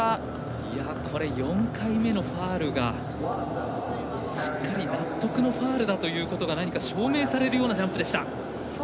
４回目のファウルが納得のファウルだということが何か、証明されるようなジャンプでした。